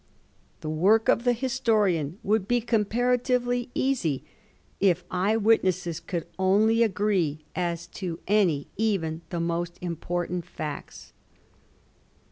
The work of the historian would be comparatively easy if eye witnesses could only agree as to any, even the most important, facts.